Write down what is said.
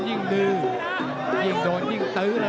ตามต่อยกที่สองครับ